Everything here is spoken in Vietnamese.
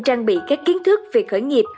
trang bị các kiến thức về khởi nghiệp